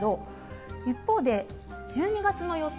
一方で１２月の予想